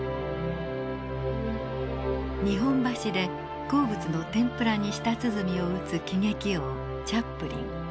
日本橋で好物の天ぷらに舌鼓を打つ喜劇王チャップリン。